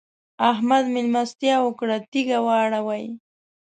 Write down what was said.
احمد؛ مېلمستيا وکړه - تيږه واړوئ.